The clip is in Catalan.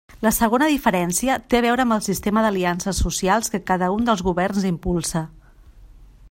La segona diferència té a veure amb el sistema d'aliances socials que cada un dels governs impulsa.